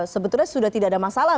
sebetulnya sudah tidak ada masalah